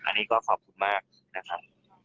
อันนี้ก็ขอบคุณมากนะครับ